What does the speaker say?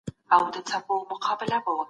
اصلاح سوي تخمونه ویشل کیدل.